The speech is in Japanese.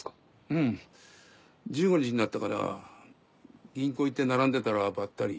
うん１５日になったから銀行行って並んでたらばったり。